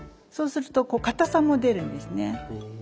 そうするとかたさも出るんですね。